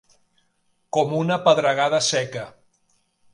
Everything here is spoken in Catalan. Com una pedregada seca.